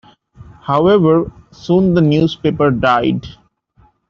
However, soon the newspaper died.